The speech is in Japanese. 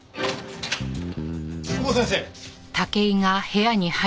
久保先生。